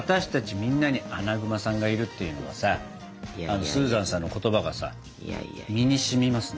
みんなにアナグマさんがいるっていうのもさスーザンさんの言葉がさ身にしみますね。